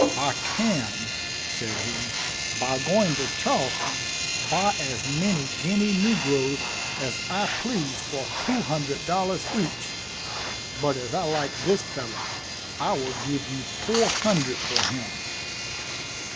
"I can," said he, "by going to Charleston, buy as many Guinea negroes as I please for two hundred dollars each, but as I like this fellow, I will give you four hundred for him."